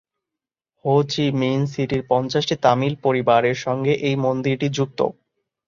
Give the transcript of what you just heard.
হো Chi Minh সিটির পঞ্চাশটি তামিল পরিবারের সঙ্গে এই মন্দিরটি যুক্ত।